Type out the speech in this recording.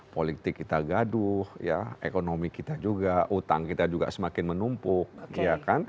politik kita gaduh ekonomi kita juga utang kita juga semakin menumpuk ya kan